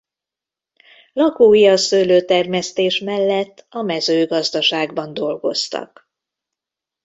Lakói a szőlőtermesztés mellett a mezőgazdaságban dolgoztak.